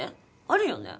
あるよね？